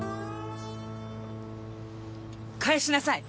返しなさい！